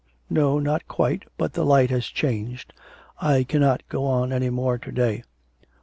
'No, not quite, but the light has changed. I cannot go on any more to day.